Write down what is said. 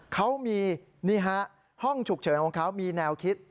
เขามีนี่ฮะห้องฉุกเฉินของเขามีแนวคิด